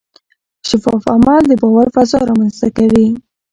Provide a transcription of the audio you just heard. شفاف عمل د باور فضا رامنځته کوي.